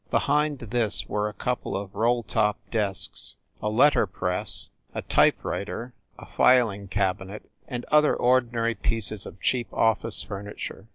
Behind this were a couple of roll top desks, a letter press, a type writer, a filing cabinet, and other ordinary pieces of cheap office furniture.